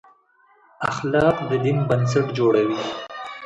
اخلاق د دین بنسټ جوړوي.